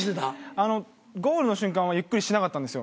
あのゴールの瞬間はゆっくりしてなかったんですよ。